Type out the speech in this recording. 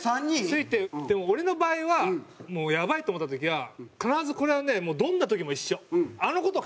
付いてでも俺の場合はもうやばいと思った時は必ずこれはねもうどんな時も一緒。